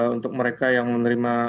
untuk mereka yang menerima